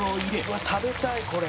「うわっ食べたいこれ」